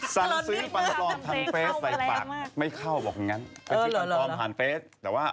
สั่งซื้อฟันปลอดทั้งเฟสใส่ปากไม่เข้าบอกอย่างงั้น